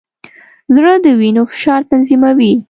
زړه د وینې فشار تنظیموي.